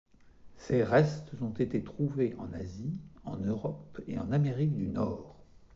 Ses restes ont été trouvés en Asie, en Europe et en Amérique du Nord.